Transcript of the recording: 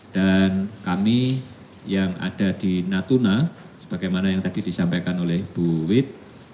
dan kami yang ada di natuna sebagaimana yang tadi disampaikan oleh ibu wit